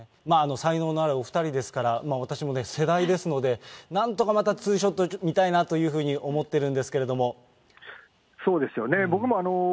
才能のあるお２人ですから、私もね、世代ですので、なんとかまたツーショット見たいなというふうに思ってるん